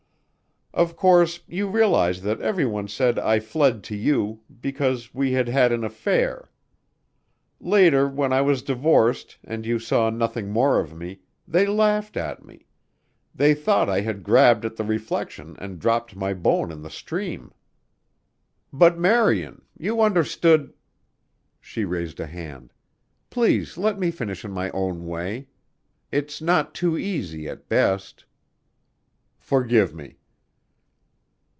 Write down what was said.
"Of course, you realize that everyone said I fled to you because we had had an affair. Later when I was divorced and you saw nothing more of me, they laughed at me they thought I had grabbed at the reflection and dropped my bone in the stream." "But, Marian! You understood " She raised a hand. "Please let me finish in my own way. It's not too easy at best." "Forgive me."